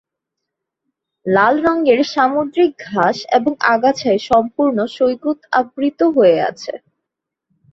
লাল রঙের সামুদ্রিক ঘাস এবং আগাছায় সম্পূর্ণ সৈকত আবৃত হয়ে আছে।